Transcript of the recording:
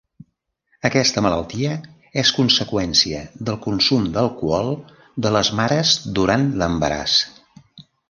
Aquesta malaltia és conseqüència del consum d'alcohol de les mares durant l'embaràs.